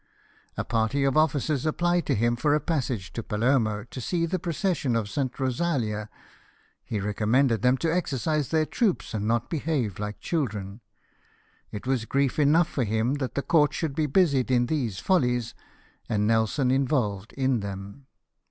A party of officers applied to him for a passage to Palermo, to see the procession of St. Eosalia, he recommended them to exercise their troops, and not behave like children. It was grief enough for him that the court should be busied in these follies, and Nelson involved in them.